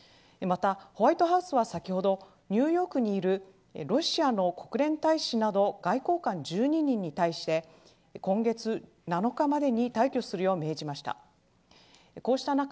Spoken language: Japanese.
またホワイトハウスは先ほどニューヨークにいるロシアの国連大使など外交官１２人に対して今月７日までに退去するよう命じました。